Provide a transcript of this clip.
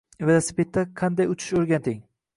Velosipedda qanday uchish o'rgating.